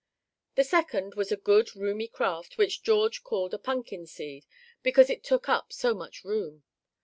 The second was a good, roomy craft, which George called a "punkin seed," because it took up so much room.